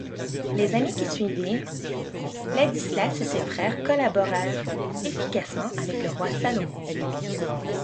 Les années qui suivirent, Ladislas et ses frères collaborèrent efficacement avec le roi Salomon.